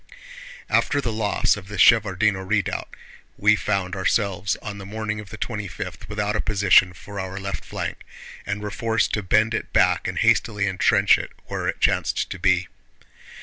After the loss of the Shevárdino Redoubt, we found ourselves on the morning of the twenty fifth without a position for our left flank, and were forced to bend it back and hastily entrench it where it chanced to be.